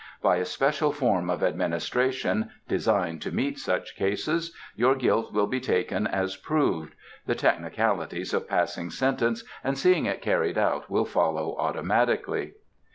By a special form of administration, designed to meet such cases, your guilt will be taken as proved. The technicalities of passing sentence and seeing it carried out will follow automatically."